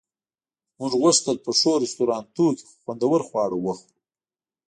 موږ غوښتل په ښو رستورانتونو کې خوندور خواړه وخورو